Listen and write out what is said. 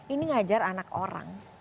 ini mengajar anak orang